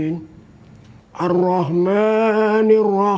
nih dia penuh